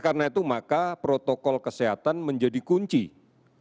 korupsiaminin membuat kelewatan dalam total disekretaris dalam pkp bigger yang frame